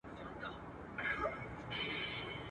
د زړه په تل کي مي زخمونه اوس په چا ووینم.